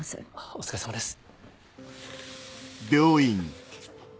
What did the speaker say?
お疲れさまです。